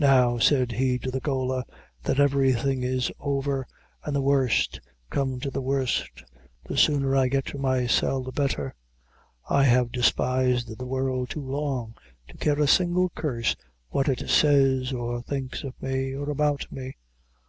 "Now," said he to the gaoler, "that every thing is over, and the worst come to the worst, the sooner I get to my cell the better. I have despised the world too long to care a single curse what it says or thinks of me, or about me.